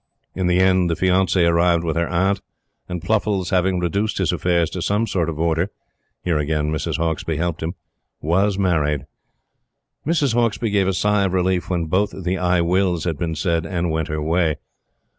In the end, the fiancee arrived with her aunt; and Pluffles, having reduced his affairs to some sort of order here again Mrs. Hauksbee helped him was married. Mrs. Hauksbee gave a sigh of relief when both the "I wills" had been said, and went her way.